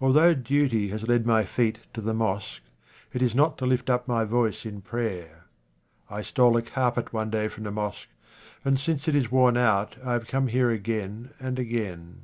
Although duty has led my feet to the mosque, it is not to lift up my voice in prayer. I stole a carpet one day from the mosque, and since it is worn out, I have come here again and again.